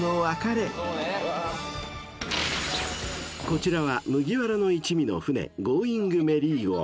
［こちらは麦わらの一味の船］